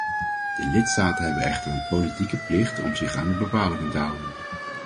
De lidstaten hebben echter een politieke plicht om zich aan de bepalingen te houden.